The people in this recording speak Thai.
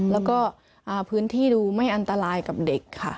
แล้วก็พื้นที่ดูไม่อันตรายกับเด็กค่ะ